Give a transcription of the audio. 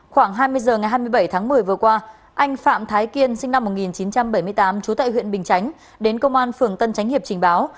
khoảng hai mươi h ngày hai mươi bảy tháng một mươi vừa qua anh phạm thái kiên sinh năm một nghìn chín trăm bảy mươi tám trú tại huyện bình chánh đến công an phường tân chánh hiệp trình báo